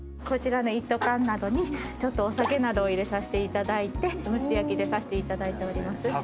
こちらの一斗缶などにちょっとお酒などを入れさせていただいて蒸し焼きでさしていただいております。